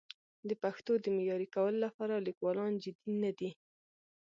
د پښتو د معیاري کولو لپاره لیکوالان جدي نه دي.